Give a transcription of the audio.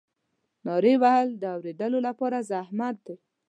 نارې وهل د اورېدلو لپاره زحمت دی.